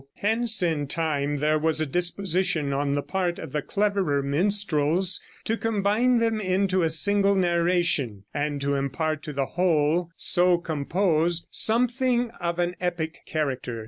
Hence in time there was a disposition on the part of the cleverer minstrels to combine them into a single narration, and to impart to the whole so composed something of an epic character.